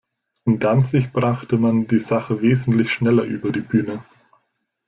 In Danzig brachte man die Sache wesentlich schneller über die Bühne.